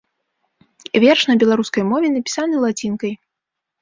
Верш на беларускай мове напісаны лацінкай.